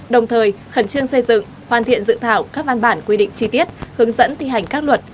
đồng thời khẩn trương xây dựng hoàn thiện dự thảo các văn bản quy định chi tiết hướng dẫn thi hành các luật